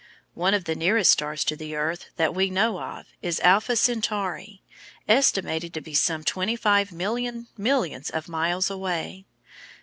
One of the nearest stars to the earth that we know of is Alpha Centauri, estimated to be some twenty five million millions of miles away.